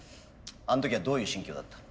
あの時はどういう心境だった？